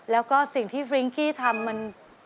แล้วก็สิ่งที่ฟริ้งกี้ทำมัน